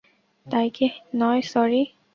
তাই কি নয় সরি।